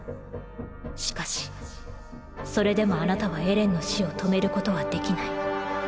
しかしそれでもあなたはエレンの死を止めることはできない。